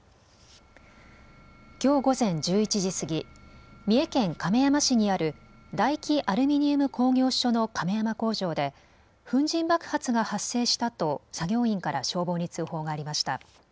きょう午前１１時過ぎ、三重県亀山市にある大紀アルミニウム工業所の亀山工場で粉じん爆発が発生ししたと作業員から消防に通報がありました。